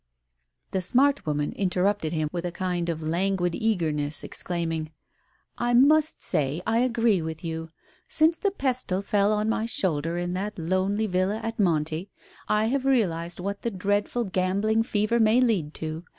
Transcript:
The smart woman interrupted him with a kind of languid eagerness, exclaiming — "I must say I agree with you. Since the pestle fell on my shoulder in that lonely villa at Monte, I have realized what the dreadful gambling fever may lead to.